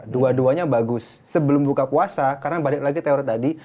dua duanya bagus sebelum buka puasa karena balik lagi teori tadi